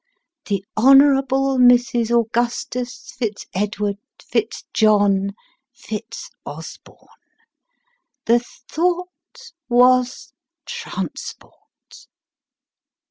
" The Honourable Mrs. Augustus Fitz Edward Fitz John Fitz Osborne !" The thought was transport.